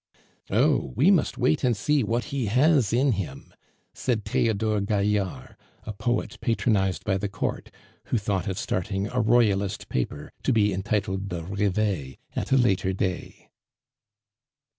"Oh! we must wait and see what he has in him," said Theodore Gaillard, a poet patronized by the Court, who thought of starting a Royalist paper to be entitled the Reveil at a later day.